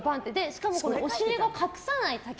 しかも、お尻を隠さない丈。